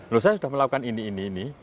loh saya sudah melakukan ini ini ini